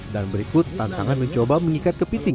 dan berikut tantangan mencoba mengikat kepiting